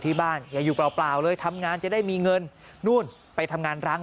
อย่าอยู่เปล่าเลยทำงานจะได้มีเงินนู่นไปทำงานร้าง